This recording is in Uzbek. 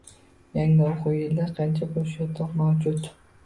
Yangi o'quv yilida qancha bo'sh yotoq mavjud?